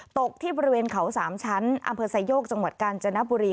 ตกที่บริเวณเขา๓ชั้นอำเภอไซโยกจังหวัดกาญจนบุรี